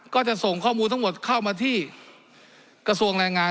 ก็จะส่งข้อมูลทั้งหมดเข้ามาที่กระทรวงแรงงาน